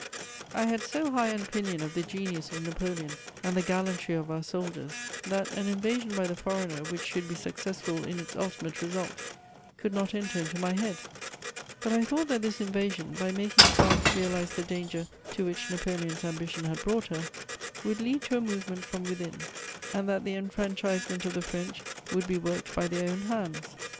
_ I had so high an opinion of the genius of Napoleon and the gallantry of our soldiers that an invasion by the foreigner which should be successful in its ultimate result could not enter into my head; but I thought that this invasion, by making France realize the danger to which Napoleon's ambition had brought her, would lead to a movement from within and that the enfranchisement of the French would be worked by their own hands.